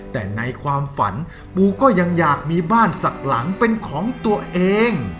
แต่ในความฝันปูก็ยังอยากมีบ้านสักหลังเป็นของตัวเอง